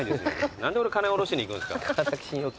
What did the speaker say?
何で俺金下ろしに行くんすか。